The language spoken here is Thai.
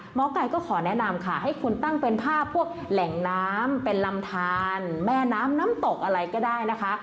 หมอไก่ก็ขอแนะนำค่ะให้คุณตั้งเป็นภาพพวกแหล่งน้ำเป็นลำทานแม่น้ำน้ำตกอะไรก็ได้นะคะ